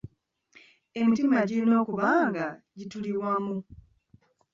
Emitima girina okuba nga gituli wamu.